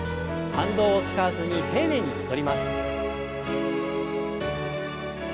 反動を使わずに丁寧に戻ります。